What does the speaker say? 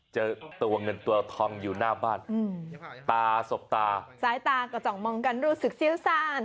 เจอตัวเงินตัวทองอยู่หน้าบ้านตาสบตาสายตาก็จ่องมองกันรู้สึกเซี้ยวซ่าน